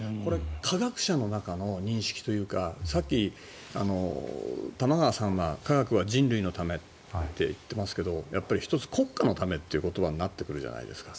科学者の中の認識というかさっき、玉川さんが科学は人類のためって言ってますけどやっぱり１つ国家のためということにもなってくるじゃないですか。